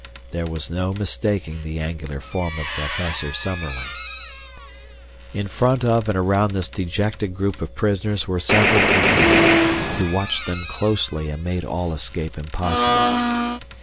There was no mistaking the angular form of Professor Summerlee. In front of and around this dejected group of prisoners were several ape men, who watched them closely and made all escape impossible.